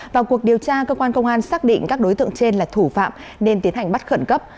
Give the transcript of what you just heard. vào cuộc điều tra cơ quan công an xác định các đối tượng trên là thủ phạm nên tiến hành bắt khẩn cấp